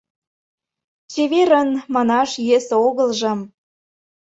«Чеверын» манаш йӧсӧ огылжым